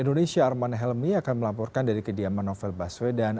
indonesia arman helmi akan melaporkan dari kediaman novel baswedan